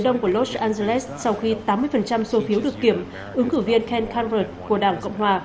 đông của los angeles sau khi tám mươi số phiếu được kiểm ứng cử viên ken canbert của đảng cộng hòa